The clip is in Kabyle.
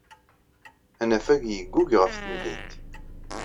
Anafag yeggug ɣef temdint.